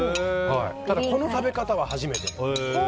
ただ、この食べ方は初めて。